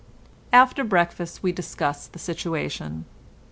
After breakfast, we discussed the situation.